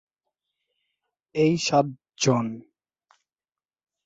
এই সাতজন।